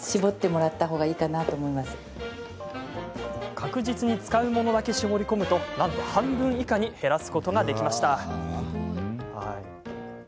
確実に使うものだけ絞り込むとなんと半分以下に減らすことができました。